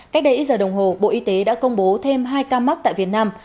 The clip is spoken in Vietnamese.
cách đây ít giờ đồng hồ bộ y tế đã công bố thêm hai ca mắc tại việt nam